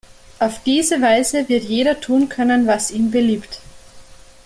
Auf diese Weise wird jeder tun können, was ihm beliebt.